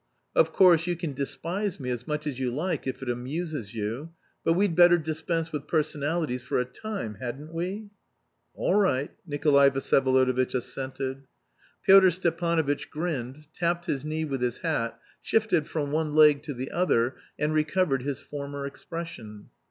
Of course, you can despise me as much as you like if it amuses you but we'd better dispense with personalities for a time, hadn't we?" "All right," Nikolay Vsyevolodovitch assented. Pyotr Stepanovitch grinned, tapped his knee with his hat, shifted from one leg to the other, and recovered his former expression.